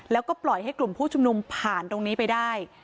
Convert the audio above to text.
แล้วก็ปล่อยให้กลุ่มผู้ชุมนุมผ่านตรงนี้ไปได้